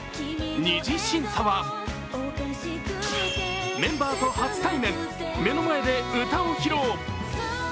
二次審査はメンバーと初対面目の前で歌を披露。